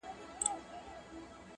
اوس مي هم ښه په ياد دي زوړ نه يمه.